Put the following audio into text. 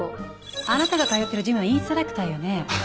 あなたが通ってるジムのインストラクターよね。